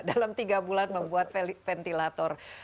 dalam tiga bulan membuat ventilator